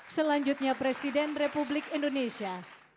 selanjutnya presiden republik indonesia